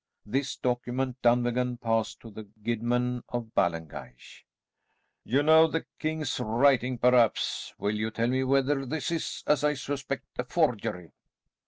This document Dunvegan passed to the Guidman of Ballengeich. "You know the king's writing perhaps? Will you tell me whether this is, as I suspect, a forgery?"